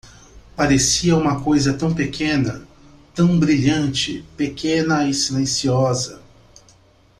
Parecia uma coisa tão pequena, tão brilhante, pequena e silenciosa.